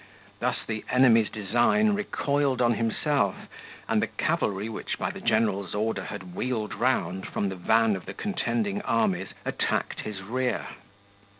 Thus the enemy's design recoiled on himself, and the cavalry which by the general's order had wheeled round from the van of the contending armies, attacked his rear.